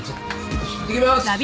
いってきます。